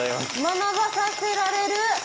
学ばさせられる。